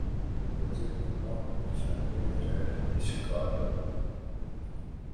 منزل کو نہ پہچانے رہ عشق کا راہی